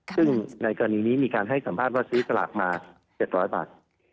ซึ่งในกรณีนี้มีการให้สัมภาษณ์ว่าซื้อสลากมา๗๐๐บาท